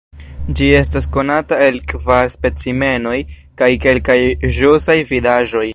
Ĝi estas konata el kvar specimenoj kaj kelkaj ĵusaj vidaĵoj.